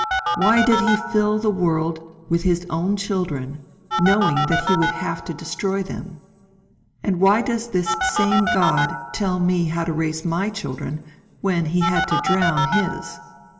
Why did he fill the world with his own children, knowing that he would have to destroy them? And why does this same God tell me how to raise my children when he had to drown his?